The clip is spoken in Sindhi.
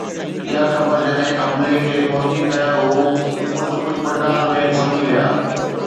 اها خبر جڏهن عملي کي پهتي ته هو ڀڄ ڀڄ پنڊال ۾ پهچي ويا.